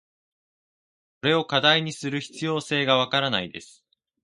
これを課題にする必要性が分からないです。